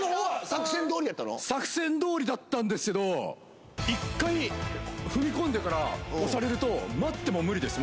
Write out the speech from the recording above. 作戦どおりだったんですけど一回踏み込んでから押されると待っても無理です